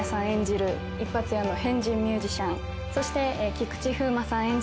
演じる一発屋の変人ミュージシャンそして菊池風磨さん